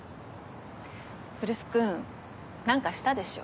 来栖君何かしたでしょ？